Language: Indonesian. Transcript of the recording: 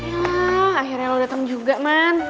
ya akhirnya lo dateng juga man